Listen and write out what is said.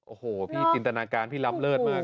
โอ้โหพี่จินตนาการพี่ล้ำเลิศมาก